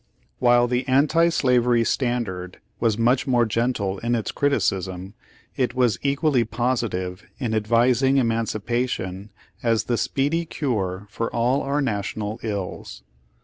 While the Anti Slavery Standard was much more gentle in its criticism, it was equally positive in advising Emancipation as the speedy cure for all our National ills.